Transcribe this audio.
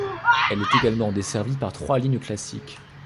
Elle est également desservie par trois lignes classiques.